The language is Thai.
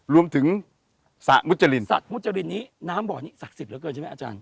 รวมถึงสระมุจรินสระมุจรินนี้น้ำบ่อนี้ศักดิ์สิทธิเหลือเกินใช่ไหมอาจารย์